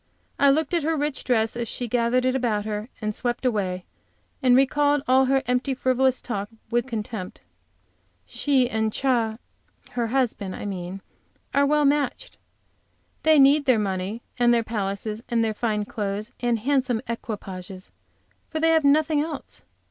I looked at her rich dress as she gathered it about her and swept away, and recalled all her empty, frivolous talk with contempt. She and Ch , her husband, I mean, are well matched. They need their money, and their palaces and their fine clothes and handsome equipages, for they have nothing else.